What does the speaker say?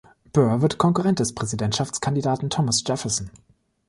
Burr wird Konkurrent des Präsidentschaftskandidaten Thomas Jefferson.